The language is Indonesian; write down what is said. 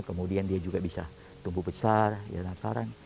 kemudian dia juga bisa tumbuh besar ya sarang